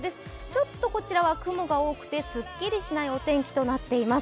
ちょっとこちらは雲が多くてすっきりしないお天気となっています。